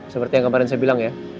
seperti yang kemarin saya bilang ya